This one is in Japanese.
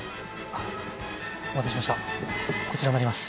お待たせしましたこちらになります。